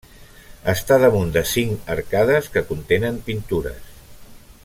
Està damunt de cinc arcades que contenen pintures.